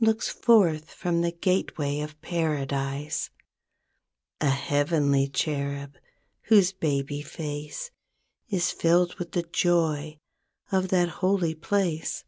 Looks forth from the gateway of Paradise; A heavenly cherub whose baby face Is filled with the joy of that holy place.